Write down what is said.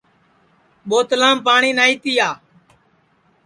بوتلِیم پاٹؔی نائی تِیا